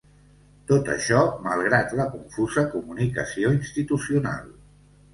Tot això, malgrat la confusa comunicació institucional.